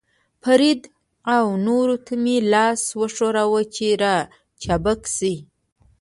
فرید او نورو ته مې لاس وښوراوه، چې را چابک شي.